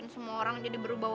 nggak bisa gitu zetan